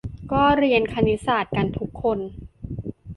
ก็เรียนคณิตศาสตร์กันทุกคน